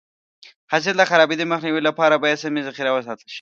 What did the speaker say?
د حاصل د خرابېدو مخنیوي لپاره باید سمې ذخیره وساتل شي.